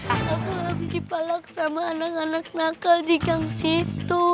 aku habis dipalak sama anak anak nakal di gang situ